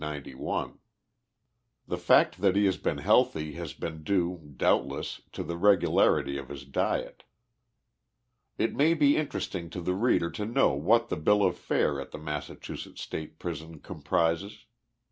"la grippe" in 1S91. The fact that he has been healthy has been due, doubtless, to the the regularity of His diet. It may be interesting to the reader to know what the bill of fare at the Massachusetts State Prison comprises.